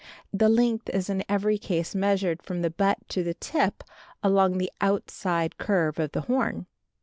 The length is in every case measured from the butt to the tip along the outside curve of the horn.